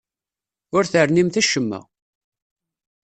Ur ternimt acemma.